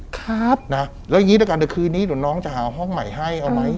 แล้วยังงี้ละกันเดี๋ยวคืนนี้หน้าน้องจะหาห้องใหม่ให้เอาไหม